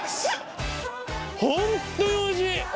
本当においしい！